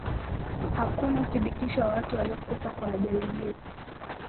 hakuna uthibitisho wa watu waliyokufa katika ajali hiyo